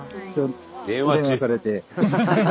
電話されて。